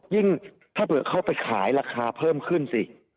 ยิ่งถ้าเผื่อเข้าไปขายราคาราคาเพิ่มขึ้นซิ